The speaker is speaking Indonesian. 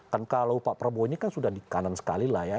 kan kalau pak prabowo ini kan sudah di kanan sekali lah ya